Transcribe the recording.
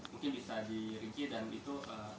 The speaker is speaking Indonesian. mungkin bisa dirinci dan gitu